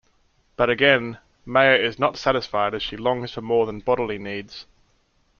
But again, Maya is not satisfied as she longs for more than bodily needs.